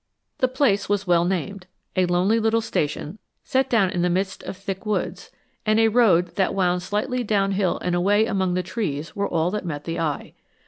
The place was well named. A lonely little station set down in the midst of thick woods, and a road that wound slightly downhill and away among the trees were all that met the eye.